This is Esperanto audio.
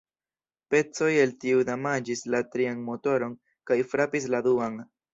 Pecoj el tiu damaĝis la trian motoron kaj frapis la duan.